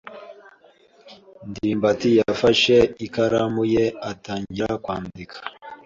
ndimbati yafashe ikaramu ye atangira kwandika.